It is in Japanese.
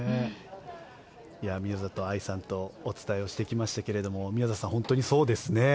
宮里藍さんとお伝えしてまいりましたが宮里さん、本当にそうですね。